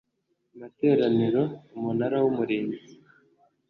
materaniro Umunara w Umurinzi